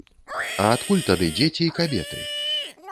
А адкуль тады дзеці і кабеты?